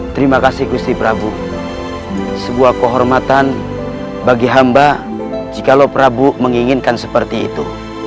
terima kasih gusti prabu sebuah kehormatan bagi hamba jika lo prabu menginginkan seperti itu